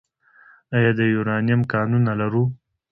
آیا د یورانیم کانونه لرو؟